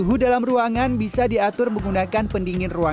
kita bisa memprediksi